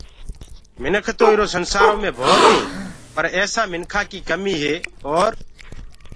مِنک تو ايرو سنسآرو مي ڀوتيٚنٚ پر ايسآ مِنکآنٚ ڪي ڪميٚ هي اور